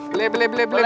boleh beli beli beli